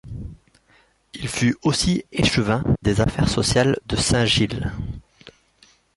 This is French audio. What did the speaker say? Il fut aussi échevin des Affaires sociales de Saint-Gilles.